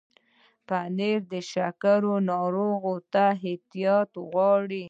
پنېر د شکر ناروغانو ته احتیاط غواړي.